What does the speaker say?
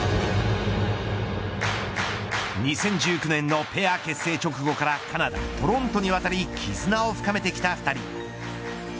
２０１９年のペア結成直後からカナダトロントにわたりきずなを深めてきた２人。